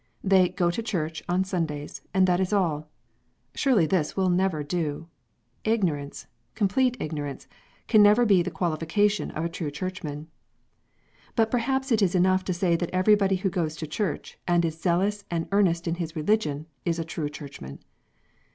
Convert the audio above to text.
They "go to church" on Sundays; and that is all. Surely this will never do ! Ignorance, com plete ignorance, can never be the qualification of a true Church But perhaps it is enough to say that everybody who goes to church, and is zealous and earnest in his religion, is a "true Churchman